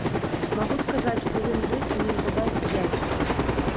Магу сказаць, што ён ёсць і неўзабаве з'явіцца.